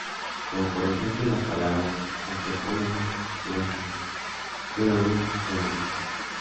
Como por ejemplo las palabras: Antropólogo, Psicólogo, Biólogo y Geólogo.